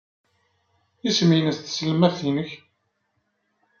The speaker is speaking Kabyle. Isem-nnes tselmadt-nnek?